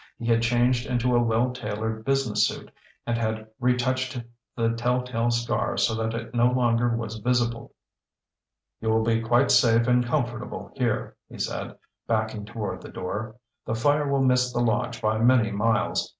He had changed into a well tailored business suit, and had re touched the telltale scar so that it no longer was visible. "You will be quite safe and comfortable here," he said, backing toward the door. "The fire will miss the lodge by many miles.